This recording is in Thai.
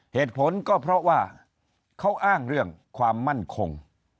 เหตุผลก็เพราะว่าเขาอ้างเรื่องความมั่นคง